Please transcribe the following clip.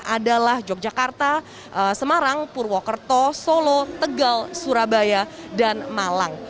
adalah yogyakarta semarang purwokerto solo tegal surabaya dan malang